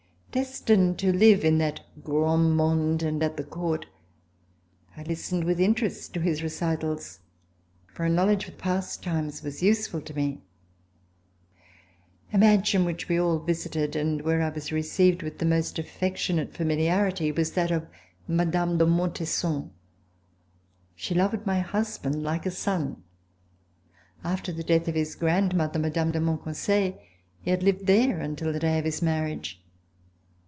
Destined to \iv tin the gra7id monde and at the Court, I listened with interest to his reci tals, for a knowledge of past times was useful to me. A mansion which we all visited, and where I was received with the most affectionate familiarity, was that of Mme. de Montesson. She loved my husband like a son. After the death of his grandmother, Mme. de Monconseil, he had lived there until the day of his marriage.